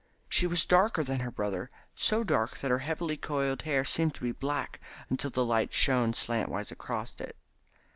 She was darker than her brother so dark that her heavily coiled hair seemed to be black until the light shone slantwise across it.